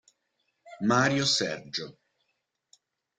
Mário Sérgio